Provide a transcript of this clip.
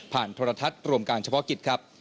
โทรทัศน์รวมการเฉพาะกิจครับ